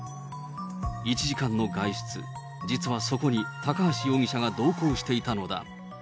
１時間の外出、実はそこに、高橋容疑者が同行していたのだ。